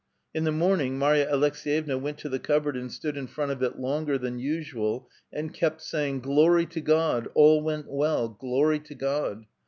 In the morning Marya Aleks^yevna went to the cupboard and stood in front of it longer than usual, and kept saying, " Glory to God ! all went well, glory to God